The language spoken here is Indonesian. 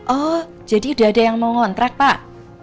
oh jadi udah ada yang mau ngontrak pak